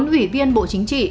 bốn ủy viên bộ chính trị